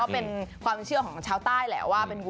เป็นความเชื่อของชาวใต้แหละว่า